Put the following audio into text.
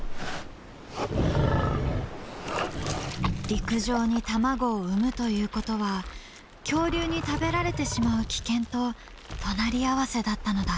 陸上に卵を産むということは恐竜に食べられてしまう危険と隣り合わせだったのだ。